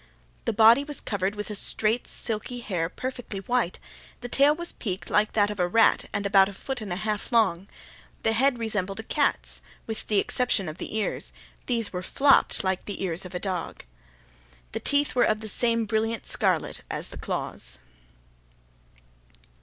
The body was covered with a straight silky hair, perfectly white. The tail was peaked like that of a rat, and about a foot and a half long. The head resembled a cat's, with the exception of the ears—these were flopped like the ears of a dog. The teeth were of the same brilliant scarlet as the claws.